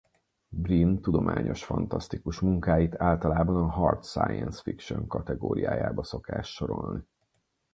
Brin tudományos-fantasztikus munkáit általában a hard science fiction kategóriájába szokás sorolni.